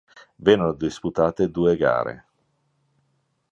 Vennero disputate due gare.